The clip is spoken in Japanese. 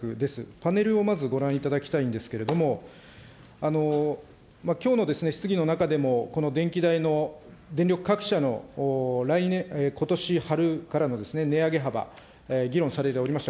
パネルをまずご覧いただきたいんですけれども、きょうの質疑の中でも、この電気代の、電力各社のことし春からの値上げ幅、議論されておりました。